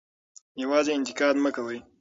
یوازې انتقاد مه کوئ.